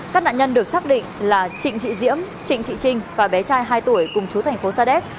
các nạn nhân được xác định là trịnh thị diễm trịnh thị trinh và bé trai hai tuổi cùng chú thành phố sa đéc